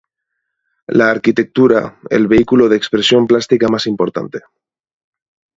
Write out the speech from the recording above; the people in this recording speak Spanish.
La arquitectura el vehículo de expresión plástica más importante.